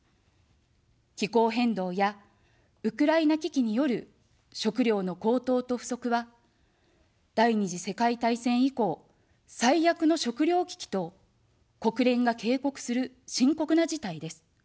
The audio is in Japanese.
気候変動やウクライナ危機による食糧の高騰と不足は、第二次世界大戦以降、最悪の食糧危機と国連が警告する深刻な事態です。